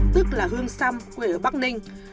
tức là hương xăm quê ở bắc ninh